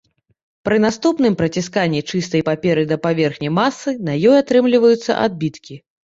Пры наступным прыцісканні чыстай паперы да паверхні масы на ёй атрымліваюцца адбіткі.